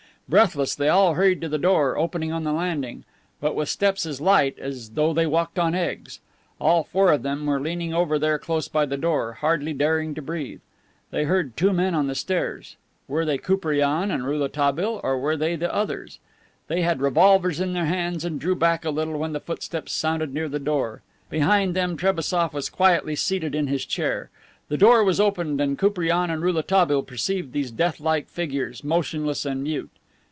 Breathless, they all hurried to the door opening on the landing, but with steps as light "as though they walked on eggs." All four of them were leaning over there close by the door, hardly daring to breathe. They heard two men on the stairs. Were they Koupriane and Rouletabille, or were they the others? They had revolvers in their hands and drew back a little when the footsteps sounded near the door. Behind them Trebassof was quietly seated in his chair. The door was opened and Koupriane and Rouletabille perceived these death like figures, motionless and mute.